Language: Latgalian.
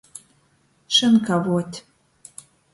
Šynkavuot.